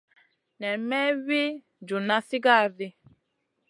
Nen may wi djuna sigara di.